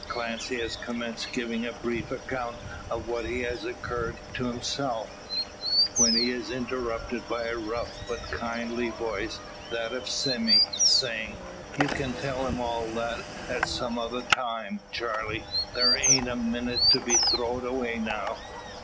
Clancy has commenced giving a brief account of what has occurred to himself, when he is interrupted by a rough, but kindly voice; that of Sime, saying: "Ye kin tell them all that at some other time, Charley; thar aint a minnit to be throwed away now."